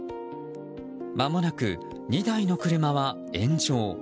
まもなく２台の車は炎上。